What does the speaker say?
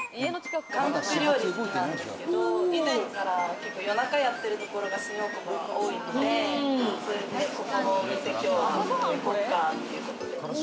韓国料理好きなんですけれども、以前から夜中やってるとこが、新大久保は多いので、それで、ここのお店、きょう行こうかということで。